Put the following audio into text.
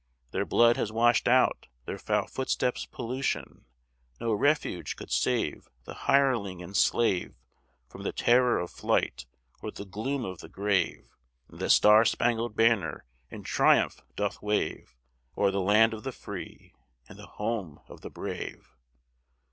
Their blood has washed out their foul footsteps' pollution. No refuge could save the hireling and slave From the terror of flight, or the gloom of the grave: And the star spangled banner in triumph doth wave O'er the land of the free and the home of the brave!